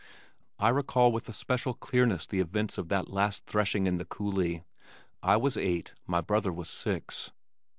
I recall with especial clearness the events of that last threshing in the coulee. I was eight, my brother was six.